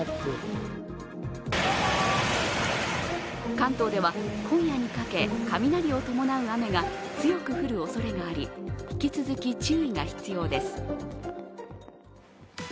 関東では今夜にかけ雷を伴う雨が強く降るおそれがあり、引き続き注意が必要です。